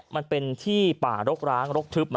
มันเป็นที่ป่ารกร้าง